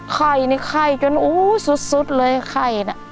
ไข่นี่ไข่จนอู้สุดเลยไข่น่ะ